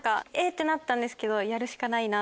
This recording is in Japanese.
てなったんですけどやるしかないな！